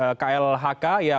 yang tadi sebelumnya sudah berjalan